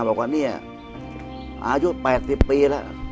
รอดอายุ๘๐ปีแล้ว